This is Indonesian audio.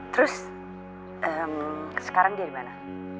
terus sekarang dia dimana